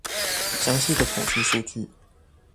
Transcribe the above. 詳細的統計數據